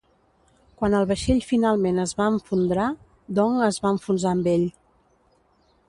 Quan el vaixell finalment es va enfondrar, Dong es va enfonsar amb ell.